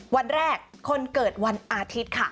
วันแรกคนเกิดวันอาทิตย์ค่ะ